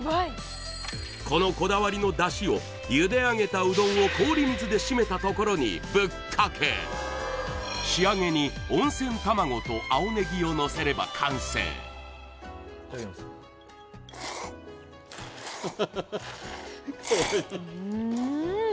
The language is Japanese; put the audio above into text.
このこだわりのだしをゆで上げたうどんを氷水で締めたところにぶっかけ仕上げに温泉卵と青ネギをのせれば完成うん！